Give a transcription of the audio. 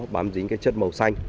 bám dính cái chất màu xanh